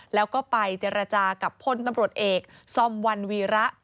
แล้วก็ไปเจรจากับพลตำรวจเอกซอมวันวีระ